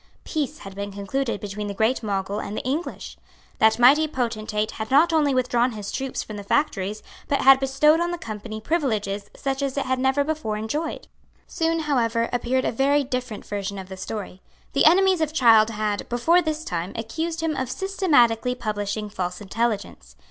Peace had been concluded between the great Mogul and the English. That mighty potentate had not only withdrawn his troops from the factories, but had bestowed on the Company privileges such as it had never before enjoyed. Soon, however, appeared a very different version of the story. The enemies of Child had, before this time, accused him of systematically publishing false intelligence.